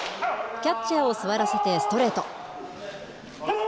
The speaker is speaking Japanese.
キャッチャーを座らせてストレート。